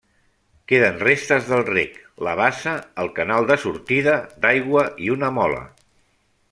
Queden restes del rec, la bassa, el canal de sortida d'aigua i una mola.